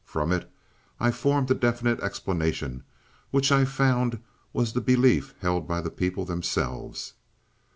From it I formed a definite explanation, which I found was the belief held by the people themselves."